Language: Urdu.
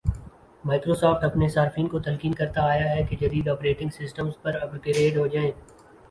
مائیکروسافٹ اپنے صارفین کو تلقین کرتا آیا ہے کہ جدید آپریٹنگ سسٹمز پر اپ گریڈ ہوجائیں